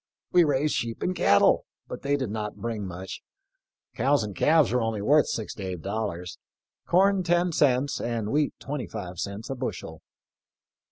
We raised sheep and cattle, but they did not bring much. Cows and calves were only worth six to eight dollars ; corn ten cents, and wheat twenty five cents, a bushel."